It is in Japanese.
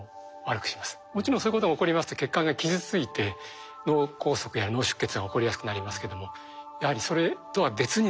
もちろんそういうことが起こりますと血管が傷ついて脳梗塞や脳出血が起こりやすくなりますけどもやはりそれとは別にですね